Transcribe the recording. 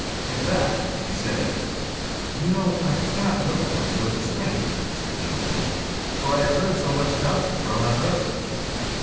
In fact she said :' You know I cannot look upon you as a stranger, Mr. Kingsley, for I have heard so much about you from my brother.'